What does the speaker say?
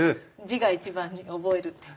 字が一番に覚えるって。